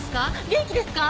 元気ですか？